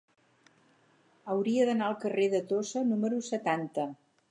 Hauria d'anar al carrer de Tossa número setanta.